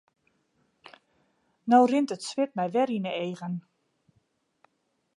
No rint it swit my wer yn 'e eagen.